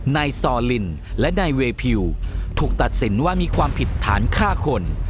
นายซอลินและนายเวพิวถูกตัดสินว่ามีความผิดฐานฆ่าคน